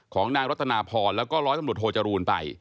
ของนางรัตนาพรแล้วก็ร้อยตำรวจโทจรูลไป